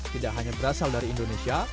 tidak hanya berasal dari indonesia